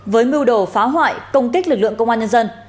với mưu đồ phá hoại công kích lực lượng công an nhân dân